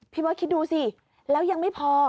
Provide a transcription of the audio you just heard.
พี่เมิ๊วคิดดูสิแล้วยังไม่พอ